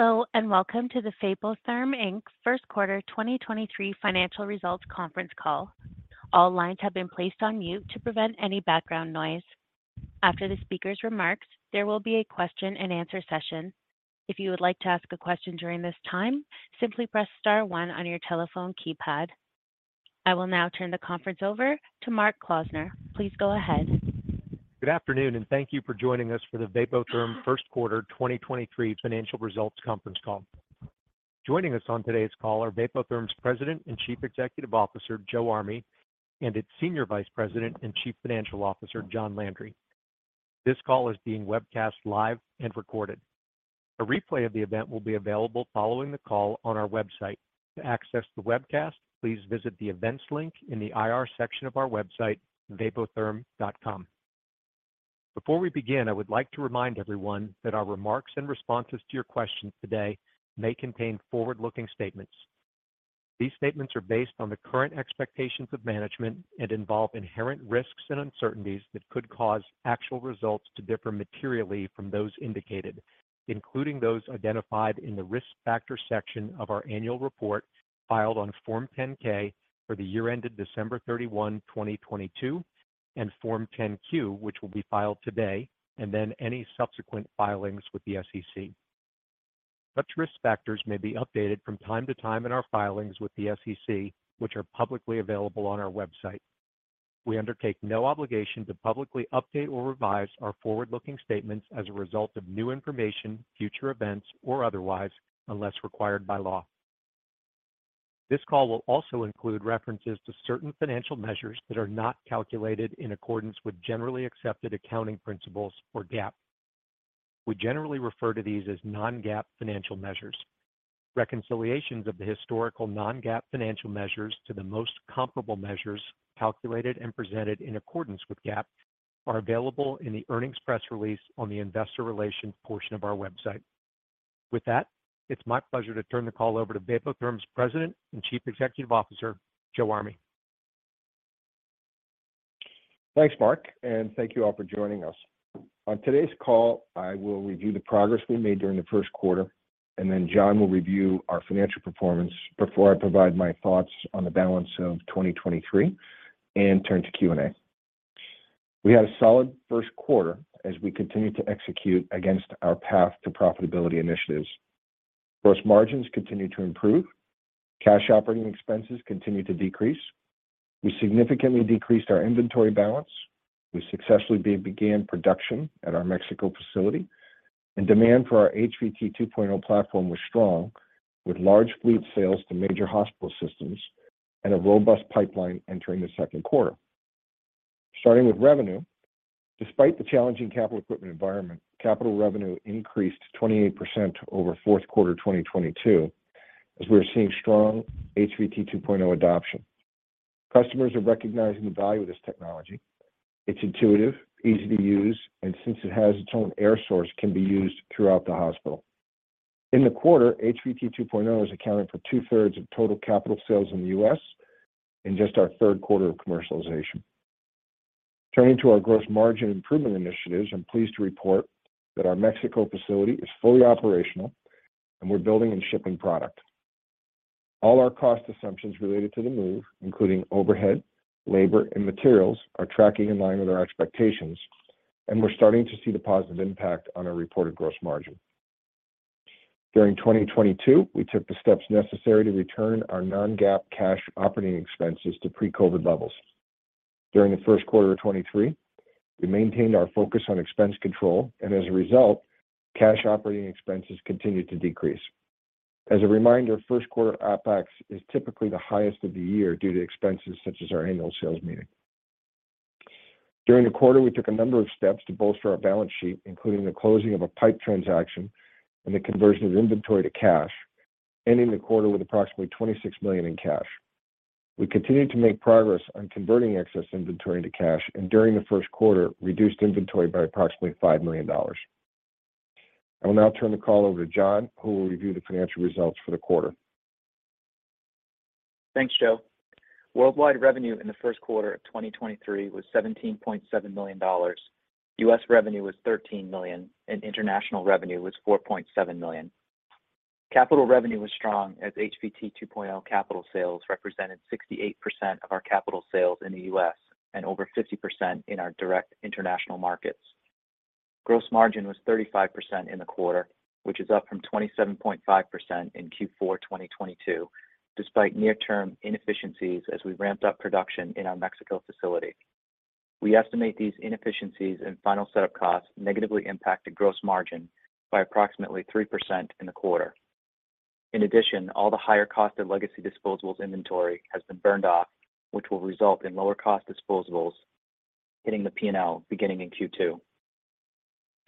Hello, and welcome to the Vapotherm, Inc. First Quarter Financial Result Conference Call. If you would like to ask a question during this time, simply press star one on your telephone keypad. I will now turn the conference over to Mark Klausner. Please go ahead. Good afternoon, and thank you for joining us for the Vapotherm first quarter 2023 financial results conference call. Joining us on today's call are Vapotherm's President and Chief Executive Officer, Joe Army, and its Senior Vice President and Chief Financial Officer, John Landry. This call is being webcast live and recorded. A replay of the event will be available following the call on our website. To access the webcast please visit the Events link in the IR section of our website, vapotherm.com. Before we begin, I would like to remind everyone that our remarks and responses to your questions today may contain forward-looking statements. These statements are based on the current expectations of management and involve inherent risks and uncertainties that could cause actual results to differ materially from those indicated, including those identified in the Risk Factor section of our annual report filed on Form 10-K for the year ended December 31, 2022, and Form 10-Q, which will be filed today, and then any subsequent filings with the SEC. Such risk factors may be updated from time to time in our filings with the SEC, which are publicly available on our website. We undertake no obligation to publicly update or revise our forward-looking statements as a result of new information, future events, or otherwise, unless required by law. This call will also include references to certain financial measures that are not calculated in accordance with generally accepted accounting principles or GAAP. We generally refer to these as non-GAAP financial measures. Reconciliations of the historical non-GAAP financial measures to the most comparable measures calculated and presented in accordance with GAAP are available in the earnings press release on the investor relations portion of our website. With that, it's my pleasure to turn the call over to Vapotherm's President and Chief Executive Officer, Joe Army. Thanks, Mark, and thank you all for joining us. On today's call, I will review the progress we made during the first quarter, and then John will review our financial performance before I provide my thoughts on the balance of 2023 and turn to Q&A. We had a solid first quarter as we continued to execute against our Path to Profitability initiatives. Gross margins continued to improve. Cash operating expenses continued to decrease. We significantly decreased our inventory balance. We successfully began production at our Mexico facility, and demand for our HVT 2.0 platform was strong, with large fleet sales to major hospital systems and a robust pipeline entering the second quarter. Starting with revenue, despite the challenging capital equipment environment, capital revenue increased 28% over fourth quarter 2022 as we're seeing strong HVT 2.0 adoption. Customers are recognizing the value of this technology. It's intuitive, easy to use, and since it has its own air source, can be used throughout the hospital. In the quarter, HVT 2.0 has accounted for 2/3 of total capital sales in the U.S. in just our third quarter of commercialization. Turning to our gross margin improvement initiatives, I'm pleased to report that our Mexico facility is fully operational and we're building and shipping product. All our cost assumptions related to the move, including overhead, labor, and materials, are tracking in line with our expectations, and we're starting to see the positive impact on our reported gross margin. During 2022, we took the steps necessary to return our non-GAAP cash operating expenses to pre-COVID levels. During the first quarter of 2023, we maintained our focus on expense control and as a result, cash operating expenses continued to decrease. As a reminder, first quarter OpEx is typically the highest of the year due to expenses such as our annual sales meeting. During the quarter, we took a number of steps to bolster our balance sheet, including the closing of a PIPE transaction and the conversion of inventory to cash, ending the quarter with approximately $26 million in cash. We continued to make progress on converting excess inventory to cash, and during the first quarter, reduced inventory by approximately $5 million. I will now turn the call over to John, who will review the financial results for the quarter. Thanks, Joe. Worldwide revenue in the first quarter of 2023 was $17.7 million. U.S. revenue was $13 million. International revenue was $4.7 million. Capital revenue was strong as HVT 2.0 capital sales represented 68% of our capital sales in the U.S. and over 50% in our direct international markets. Gross margin was 35% in the quarter, which is up from 27.5% in Q4 2022 despite near-term inefficiencies as we ramped up production in our Mexico facility. We estimate these inefficiencies and final setup costs negatively impacted gross margin by approximately 3% in the quarter. In addition, all the higher cost of legacy disposables inventory has been burned off, which will result in lower cost disposables hitting the P&L beginning in Q2.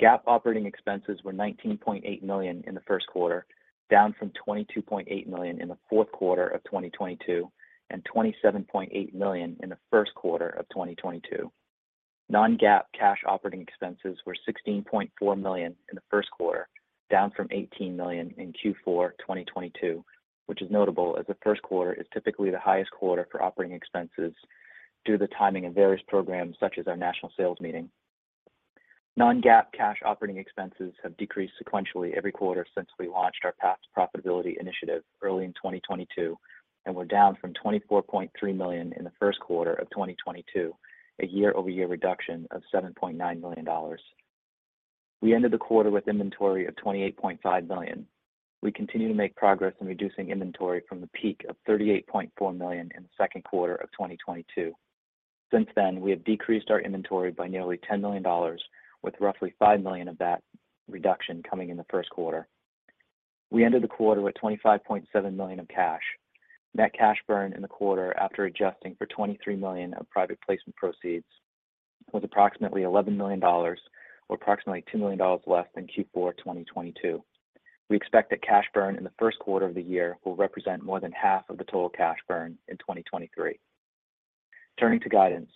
GAAP operating expenses were $19.8 million in the first quarter, down from $22.8 million in the fourth quarter of 2022 and $27.8 million in the first quarter of 2022. Non-GAAP cash operating expenses were $16.4 million in the first quarter, down from $18 million in Q4 2022, which is notable as the first quarter is typically the highest quarter for operating expenses due to the timing of various programs such as our national sales meeting. Non-GAAP cash operating expenses have decreased sequentially every quarter since we launched our Path to Profitability initiative early in 2022, and were down from $24.3 million in the first quarter of 2022, a year-over-year reduction of $7.9 million. We ended the quarter with inventory of $28.5 million. We continue to make progress in reducing inventory from the peak of $38.4 million in the second quarter of 2022. Since then, we have decreased our inventory by nearly $10 million, with roughly $5 million of that reduction coming in the first quarter. We ended the quarter with $25.7 million of cash. Net cash burn in the quarter after adjusting for $23 million of private placement proceeds was approximately $11 million, or approximately $2 million less than Q4 2022. We expect that cash burn in the first quarter of the year will represent more than half of the total cash burn in 2023. Turning to guidance.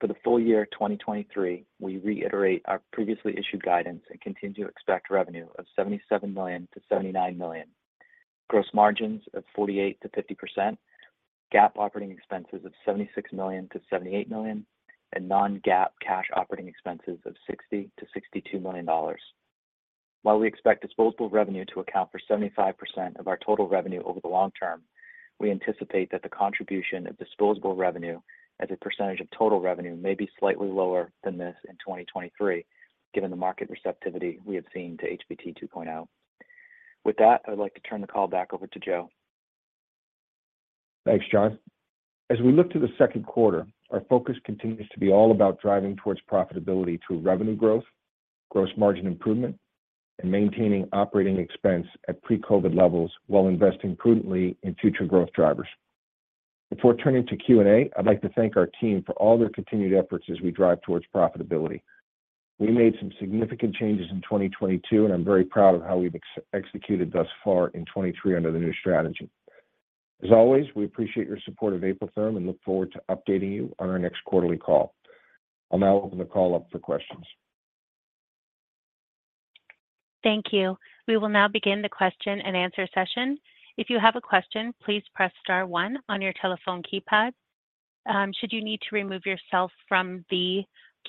For the full year 2023, we reiterate our previously issued guidance and continue to expect revenue of $77 - 79 million. Gross margins of 48%-50%. GAAP operating expenses of $76 million-$78 million, and non-GAAP cash operating expenses of $60 million-$62 million. While we expect disposable revenue to account for 75% of our total revenue over the long term, we anticipate that the contribution of disposable revenue as a percentage of total revenue may be slightly lower than this in 2023, given the market receptivity we have seen to HVT 2.0. With that, I'd like to turn the call back over to Joe. Thanks, John. As we look to the second quarter, our focus continues to be all about driving towards profitability through revenue growth, gross margin improvement, and maintaining operating expense at pre-COVID levels while investing prudently in future growth drivers. Before turning to Q&A, I'd like to thank our team for all their continued efforts as we drive towards profitability. We made some significant changes in 2022, and I'm very proud of how we've executed thus far in 2023 under the new strategy. As always, we appreciate your support of Vapotherm and look forward to updating you on our next quarterly call. I'll now open the call up for questions. Thank you. We will now begin the question and answer session. If you have a question, please press star one on your telephone keypad. Should you need to remove yourself from the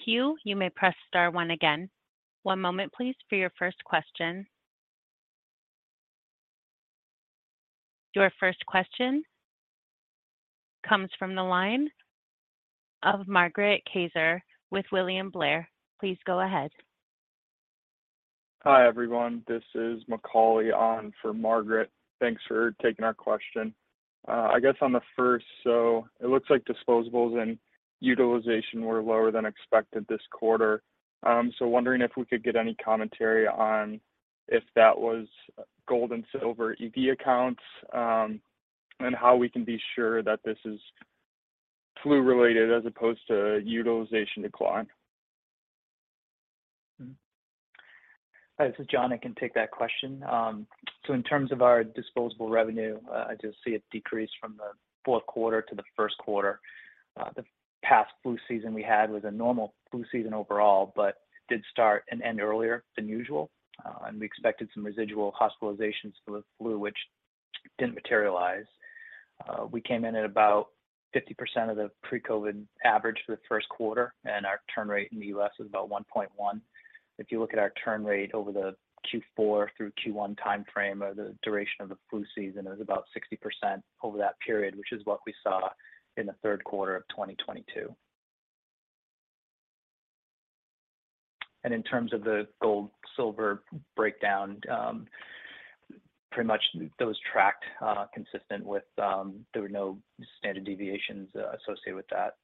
queue, you may press star one again. One moment, please, for your first question. Your first question comes from the line of Margaret Kaczor with William Blair. Please go ahead. Hi, everyone. This is Macaulay on for Margaret. Thanks for taking our question. I guess on the first, it looks like disposables and utilization were lower than expected this quarter. Wondering if we could get any commentary on if that was gold and silver ED accounts, and how we can be sure that this is flu-related as opposed to utilization decline. Hi, this is John. I can take that question. In terms of our disposable revenue, I just see it decreased from the fourth quarter to the first quarter. The past flu season we had was a normal flu season overall, but did start and end earlier than usual, and we expected some residual hospitalizations for the flu, which didn't materialize. We came in at about 50% of the pre-COVID average for the first quarter, and our turn rate in the U.S. was about 1.1. If you look at our turn rate over the Q4 through Q1 timeframe or the duration of the flu season, it was about 60% over that period, which is what we saw in the third quarter of 2022. In terms of the gold/silver breakdown, pretty much those tracked consistent with there were no standard deviations associated with that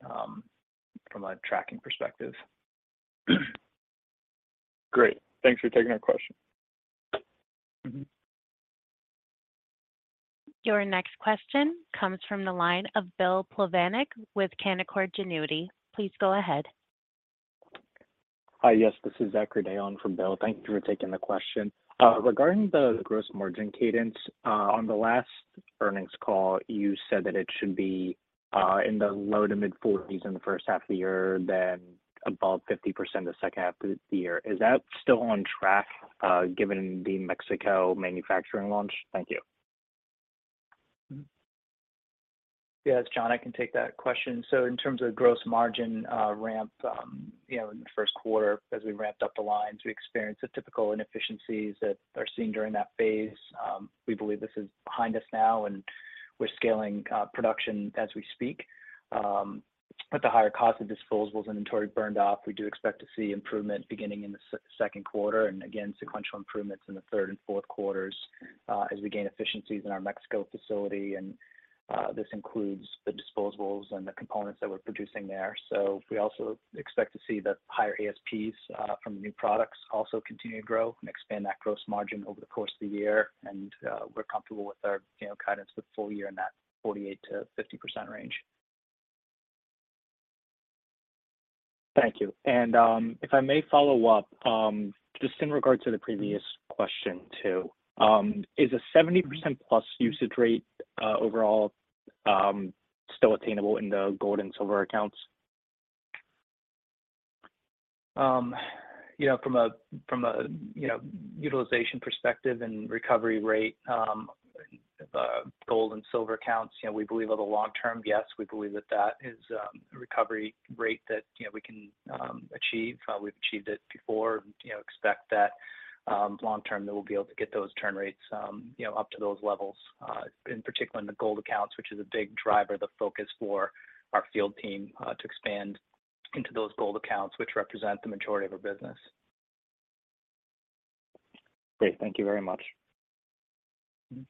from a tracking perspective. Great. Thanks for taking our question. Mm-hmm. Your next question comes from the line of Bill Plovanic with Canaccord Genuity. Please go ahead. Hi. Yes, this is Zachary Day from Bill. Thank you for taking the question. Regarding the gross margin cadence, on the last earnings call, you said that it should be in the low to mid 40s in the first half of the year than above 50% the second half of the year. Is that still on track, given the Mexico manufacturing launch? Thank you. It's John. I can take that question. In terms of gross margin ramp, you know, in the first quarter as we ramped up the lines, we experienced the typical inefficiencies that are seen during that phase. We believe this is behind us now, and we're scaling production as we speak. With the higher cost of disposables inventory burned off, we do expect to see improvement beginning in the second quarter and again, sequential improvements in the third and fourth quarters, as we gain efficiencies in our Mexico facility and this includes the disposables and the components that we're producing there. We also expect to see the higher ASPs from the new products also continue to grow and expand that gross margin over the course of the year. We're comfortable with our, you know, guidance for the full year in that 48%-50% range. Thank you. If I may follow up, just in regard to the previous question too. Is a 70% plus usage rate, overall, still attainable in the gold and silver accounts? You know, from a, you know, utilization perspective and recovery rate. The gold and silver counts, you know, we believe over the long term, yes, we believe that that is a recovery rate that, you know, we can achieve. We've achieved it before. You know, expect that long term that we'll be able to get those turn rates, you know, up to those levels. In particular in the gold accounts, which is a big driver of the focus for our field team, to expand into those gold accounts, which represent the majority of our business. Great. Thank you very much. Mm-hmm.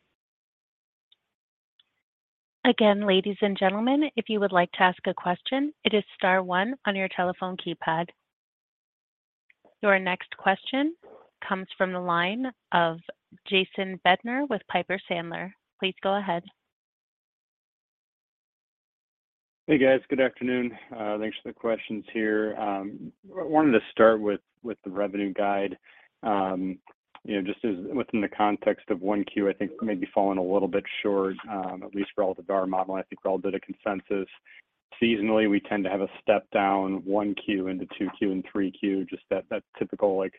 Again, ladies and gentlemen, if you would like to ask a question, it is star one on your telephone keypad. Your next question comes from the line of Jason Bednar with Piper Sandler. Please go ahead. Hey, guys. Good afternoon. Thanks for the questions here. I wanted to start with the revenue guide. You know, just as within the context of 1Q, I think maybe falling a little bit short, at least relative to our model and I think our bit of consensus. Seasonally, we tend to have a step down 1Q into 2Q and 3Q, just that typical, like,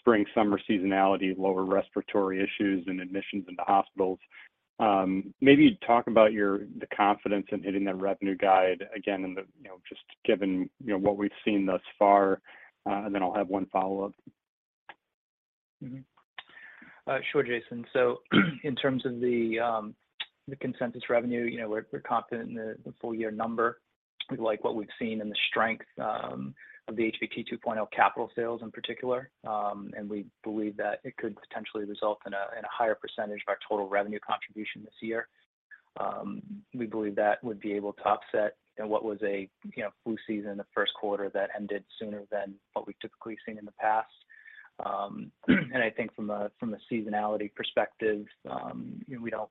spring/summer seasonality of lower respiratory issues and admissions into hospitals. Maybe talk about the confidence in hitting that revenue guide again in the, you know, just given, you know, what we've seen thus far? I'll have 1 follow-up. Sure, Jason. In terms of the consensus revenue, you know, we're confident in the full year number. We like what we've seen and the strength of the HVT 2.0 capital sales in particular. And we believe that it could potentially result in a higher percentage of our total revenue contribution this year. We believe that would be able to offset, you know, what was a, you know, flu season the first quarter that ended sooner than what we've typically seen in the past. And I think from a seasonality perspective, you know,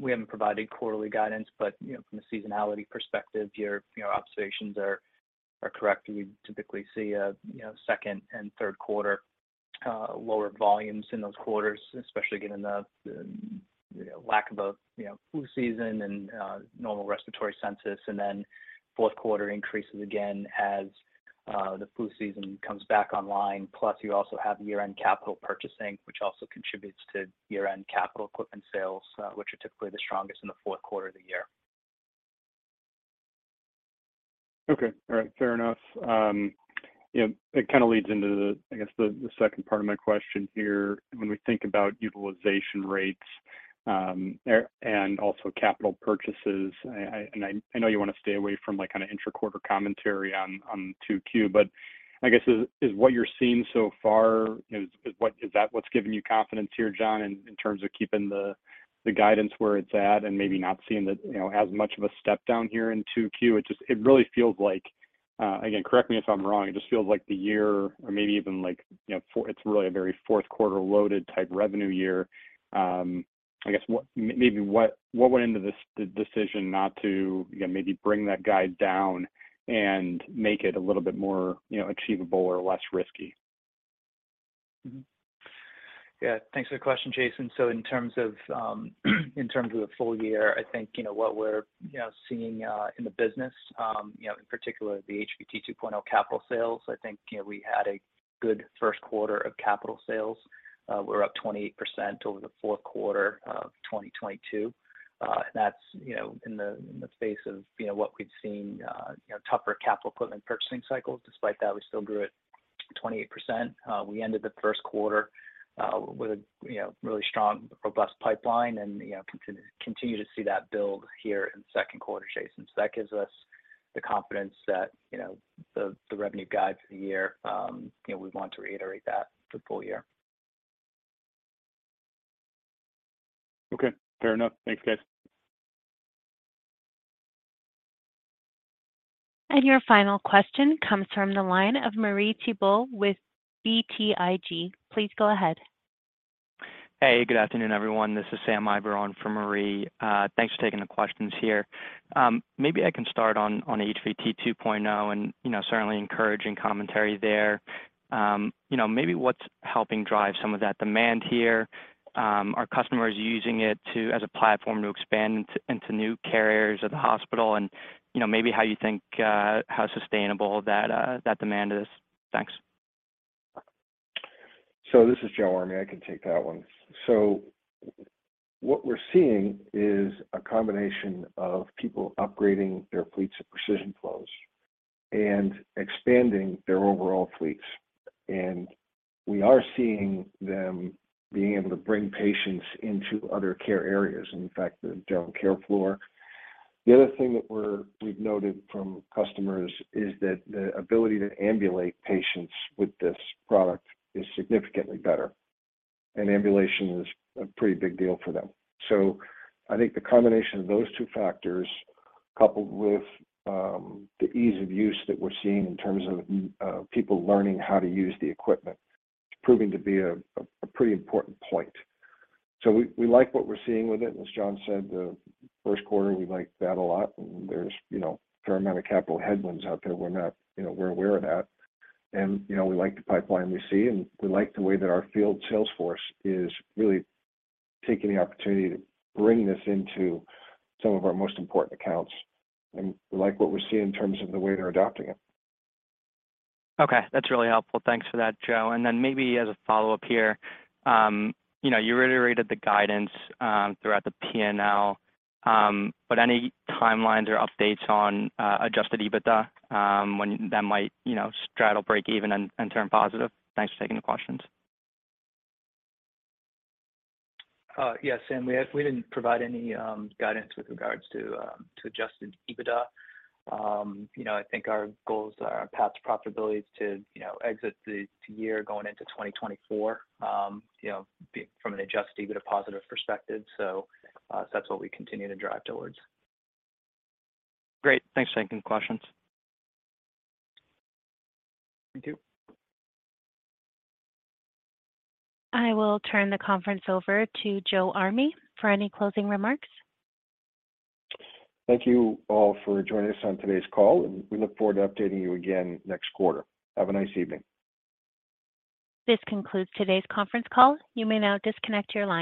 we haven't provided quarterly guidance, but, you know, from a seasonality perspective, your, you know, observations are correct. You typically see, you know, second and third quarter, lower volumes in those quarters, especially given the, you know, lack of, you know, flu season and normal respiratory census. Then fourth quarter increases again as the flu season comes back online. You also have year-end capital purchasing, which also contributes to year-end capital equipment sales, which are typically the strongest in the fourth quarter of the year. Okay. All right. Fair enough. You know, it kind of leads into, I guess, the second part of my question here. When we think about utilization rates, and also capital purchases, I know you wanna stay away from, like, kind of intra-quarter commentary on 2Q, but I guess is what you're seeing so far is that what's giving you confidence here, John, in terms of keeping the guidance where it's at and maybe not seeing the, you know, as much of a step down here in 2Q? It just, it really feels like, again, correct me if I'm wrong, it just feels like the year or maybe even, like, you know, it's really a very fourth quarter loaded type revenue year. I guess what maybe what went into this decision not to, you know, maybe bring that guide down and make it a little bit more, you know, achievable or less risky? Yeah. Thanks for the question, Jason Bednar. In terms of, in terms of the full year, I think, you know, what we're, you know, seeing in the business, you know, in particular the HVT 2.0 capital sales, I think, you know, we had a good first quarter of capital sales. We're up 28% over the fourth quarter of 2022. That's, you know, in the, in the face of, you know, what we've seen, you know, tougher capital equipment purchasing cycles. Despite that, we still grew at 28%. We ended the first quarter with a, you know, really strong, robust pipeline and, you know, continue to see that build here in second quarter, Jason Bednar. That gives us the confidence that, you know, the revenue guide for the year, you know, we want to reiterate that for the full year. Okay. Fair enough. Thanks, guys. Your final question comes from the line of Marie Thibault with BTIG. Please go ahead. Hey, good afternoon, everyone. This is Sam Eiber for Marie. Thanks for taking the questions here. Maybe I can start on HVT 2.0 and, you know, certainly encouraging commentary there. You know, maybe what's helping drive some of that demand here, are customers using it to, as a platform to expand into new care areas at the hospital? You know, maybe how you think how sustainable that demand is. Thanks. This is Joe Army. I can take that one. What we're seeing is a combination of people upgrading their fleets of Precision Flow and expanding their overall fleets. We are seeing them being able to bring patients into other care areas, in fact, the general care floor. The other thing that we've noted from customers is that the ability to ambulate patients with this product is significantly better, and ambulation is a pretty big deal for them. I think the combination of those two factors, coupled with the ease of use that we're seeing in terms of people learning how to use the equipment, it's proving to be a pretty important point. We like what we're seeing with it. As John said, the first quarter, we like that a lot. There's, you know, a fair amount of capital headwinds out there we're not, you know, we're aware of that. You know, we like the pipeline we see, and we like the way that our field sales force is really taking the opportunity to bring this into some of our most important accounts. We like what we're seeing in terms of the way they're adopting it. Okay. That's really helpful. Thanks for that, Joe. Then maybe as a follow-up here, you know, you reiterated the guidance, throughout the P&L, but any timelines or updates on Adjusted EBITDA, when that might, you know, straddle break even and turn positive? Thanks for taking the questions. Yeah, Sam, we didn't provide any guidance with regards to Adjusted EBITDA. You know, I think our goals are our Path to Profitability is to, you know, exit the year going into 2024, you know, from an Adjusted EBITDA positive perspective. That's what we continue to drive towards. Great. Thanks for taking the questions. Thank you. I will turn the conference over to Joe Army for any closing remarks. Thank you all for joining us on today's call, and we look forward to updating you again next quarter. Have a nice evening. This concludes today's conference call. You may now disconnect your line.